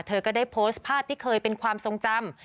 เธอก็ได้โพสต์ภาพที่เคยเป็นความทรงจำ